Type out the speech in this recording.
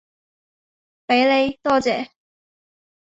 畀你，多謝